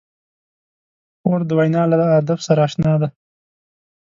خور د وینا له ادب سره اشنا ده.